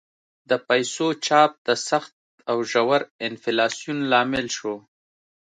د پیسو چاپ د سخت او ژور انفلاسیون لامل شو.